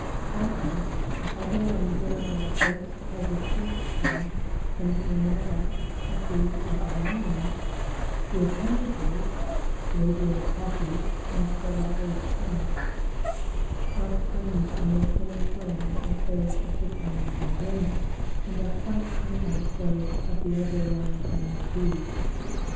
Also, although Andrena the host has a short tongue, and Nomada, its cuckoo, a long one, the appendages (labial palpi) of the latter's tongue are framed on the same plan as those of the tongue of Andrena, and are quite unlike those of the other long tongued bees.